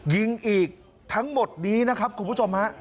ยิงอีกทั้งหมดนี้นะครับคุณผู้ชมฮะ